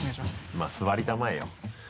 まぁ座りたまえよ。